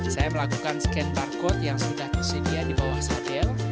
saya melakukan scan qr code yang sudah tersedia di bawah satel